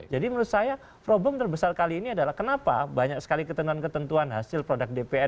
jadi menurut saya problem terbesar kali ini adalah kenapa banyak sekali ketentuan ketentuan hasil produk dpr